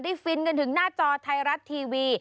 ฟินกันถึงหน้าจอไทยรัฐทีวี